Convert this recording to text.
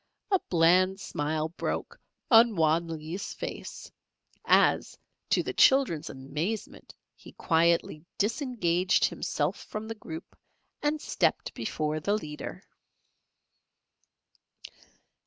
A bland smile broke on Wan Lee's face, as, to the children's amazement, he quietly disengaged himself from the group and stepped before the leader.